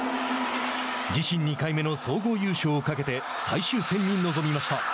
自身２回目の総合優勝をかけて最終戦に臨みました。